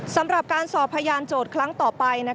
สำหรับการสอบพยานโจทย์ครั้งต่อไป